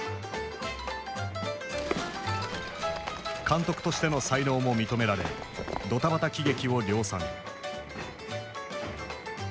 監督としての才能も認められどたばた喜劇を量産。